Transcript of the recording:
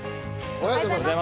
おはようございます。